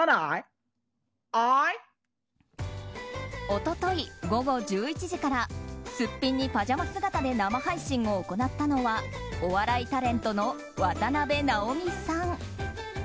一昨日午後１１時からすっぴんにパジャマ姿で生配信を行ったのはお笑いタレントの渡辺直美さん。